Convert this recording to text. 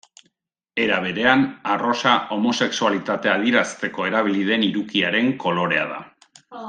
Era berean, arrosa homosexualitatea adierazteko erabili den hirukiaren kolorea da.